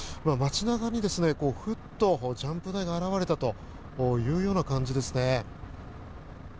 街中にふっとジャンプ台が表れたというような感じです。